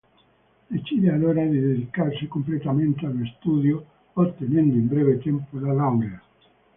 Decide allora di dedicarsi completamente allo studio, ottenendo in breve tempo la laurea.